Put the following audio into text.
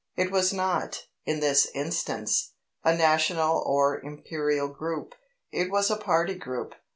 It was not, in this instance, a national or Imperial group: it was a party group.